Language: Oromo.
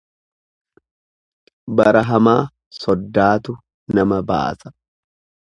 Bara hamaa soddaatu nama baasa.